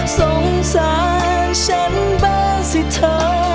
สงสารฉันบ้างสิเธอ